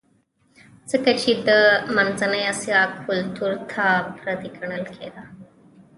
ځکه چې د منځنۍ اسیا کلتور ته پردی ګڼل کېده